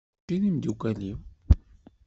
Mačči d imdukal-iw.